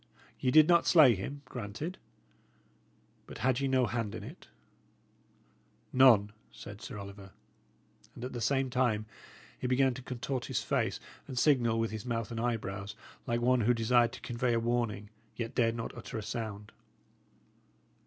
Ye did not slay him; granted. But had ye no hand in it?" "None," said Sir Oliver. And at the same time he began to contort his face, and signal with his mouth and eyebrows, like one who desired to convey a warning, yet dared not utter a sound.